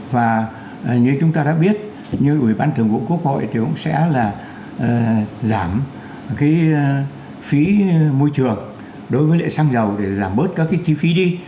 và như chúng ta đã biết như ubnd cũng sẽ là giảm cái phí môi trường đối với lệ xăng dầu để giảm bớt các cái chi phí đi